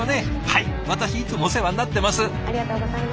はい私いつもお世話になってます。